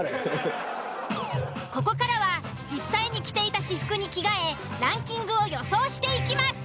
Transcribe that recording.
ここからは実際に着ていた私服に着替えランキングを予想していきます。